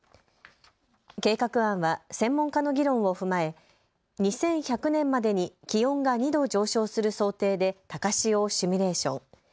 計画案は専門家の議論を踏まえ２１００年までに気温が２度上昇する想定で高潮をシミュレーション。